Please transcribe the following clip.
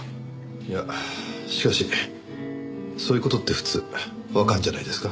いやしかしそういう事って普通わかるんじゃないですか？